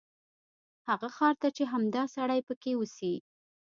هغه ښار ته چې همدا سړی پکې اوسي.